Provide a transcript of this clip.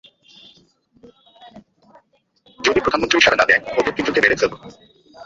যদি প্রধানমন্ত্রী সাড়া না দেয়, ওদের তিনজনকে মেরে ফেলবো।